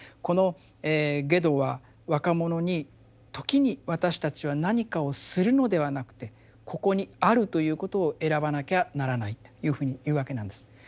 このゲドは若者に時に私たちは何かを「する」のではなくてここに「ある」ということを選ばなきゃならないというふうに言うわけなんです。